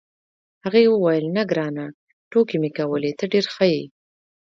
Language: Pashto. هغې وویل: نه، ګرانه، ټوکې مې کولې، ته ډېر ښه یې.